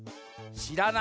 のらない。